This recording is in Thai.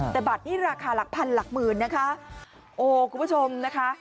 แต่บัตรนี้ราคาหลักพันหลักหมื่นนะคะโอ้คุณผู้ชมนะคะ